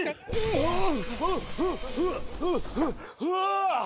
うわ！